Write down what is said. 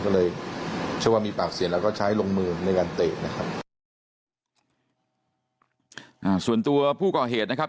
ก็เลยเชื่อว่ามีปากเสียงแล้วก็ใช้ลงมือในการเตะนะครับอ่าส่วนตัวผู้ก่อเหตุนะครับ